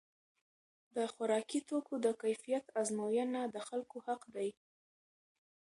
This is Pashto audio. د خوراکي توکو د کیفیت ازموینه د خلکو حق دی.